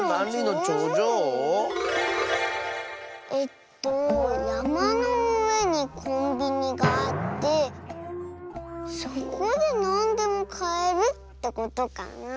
えっとやまのうえにコンビニがあってそこでなんでもかえるってことかなあ。